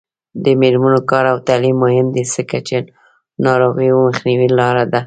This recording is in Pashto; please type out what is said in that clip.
د میرمنو کار او تعلیم مهم دی ځکه چې ناروغیو مخنیوي لاره ده.